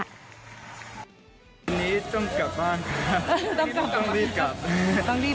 วันนี้ต้องกลับบ้านค่ะต้องรีบกลับ